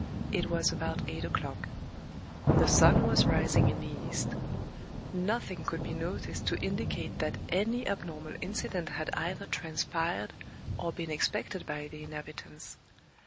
It was about eight o'clock; the sun was rising in the east; nothing could be noticed to indicate that any abnormal incident had either transpired or been expected by the inhabitants.